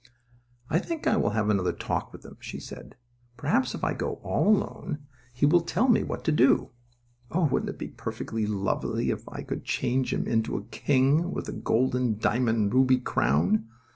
"I think I will have another talk with him," she said. "Perhaps, if I go all alone, he will tell me what to do. Oh, wouldn't it be perfectly lovely if I could change him into a king with a golden diamond ruby crown.